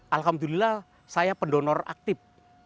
alhamdulillah saya pendonor aktif